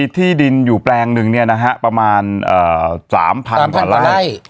ที่ดินอยู่แปลงนึงเนี่ยนะฮะประมาณ๓ผ่านก่อนแล้ว